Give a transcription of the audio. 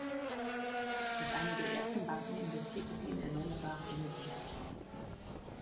Als eine der ersten Banken investierte sie in erneuerbare Energien.